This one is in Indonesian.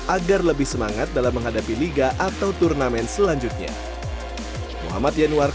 agar lebih semangat dalam menghadapi liga atau turnamen selanjutnya